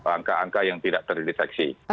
angka angka yang tidak terdeteksi